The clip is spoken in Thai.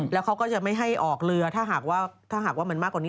แล้วเขาก็จะไม่ให้ออกเรือถ้าหากว่าเหมือนมากกว่านี้